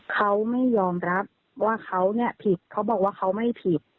เขาไม่ยอมรับว่าเขาเนี่ยผิดเขาบอกว่าเขาไม่ผิด